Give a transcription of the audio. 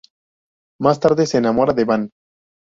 Más tarde se enamora de Van.